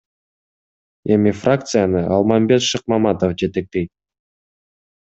Эми фракцияны Алмамбет Шыкмаматов жетектейт.